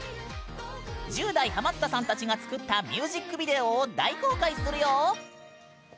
１０代ハマったさんたちが作ったミュージックビデオを大公開するよ！